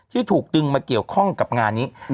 ที่ถูกดึงมาเกี่ยวข้องกับงานนี้